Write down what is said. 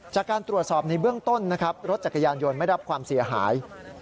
จากการตรวจสอบในเบื้องต้นนะครับรถจักรยานยนต์ไม่รับความเสียหาย